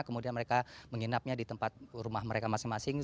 kemudian mereka menginapnya di tempat rumah mereka masing masing